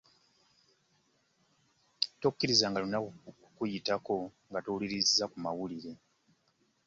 Tokkirizanga lunaku kukuyitako nga towulirizza ku mawulire.